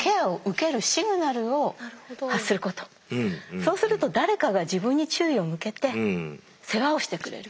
そうすると誰かが自分に注意を向けて世話をしてくれる。